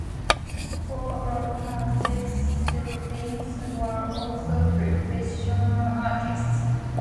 Four of her six siblings were also professional artists.